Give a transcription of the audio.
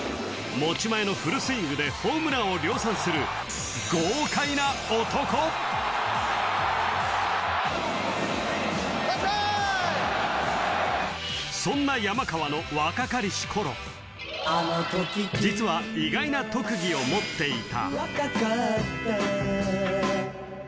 持ち前のフルスイングでホームランを量産する豪快な男そんな山川の若かりし頃実は意外な特技を持っていた